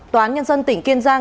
toán nhân dân tỉnh kiên giang